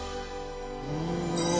うわ。